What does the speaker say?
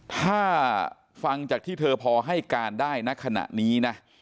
ถ้าฟังจากที่เธอพอให้การได้ณขณะนี้นะ